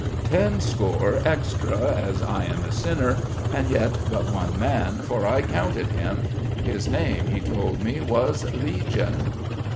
Ten score extra, as I am a sinner; and yet but one man, for I counted him. His name, he told me, was Legion."